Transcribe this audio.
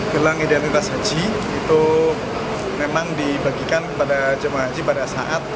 gelang identitas haji itu memang dibagikan kepada jemaah haji pada saat